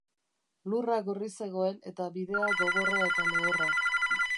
Lurra gorri zegoen eta bidea gogorra eta lehorra.